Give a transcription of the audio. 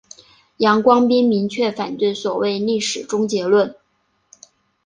杨光斌明确反对所谓历史终结论。